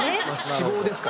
脂肪ですから。